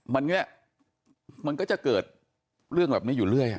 มันเนี่ยมันก็จะเกิดเรื่องแบบนี้อยู่เรื่อย